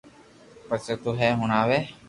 پسي تو ھي ھڻاوي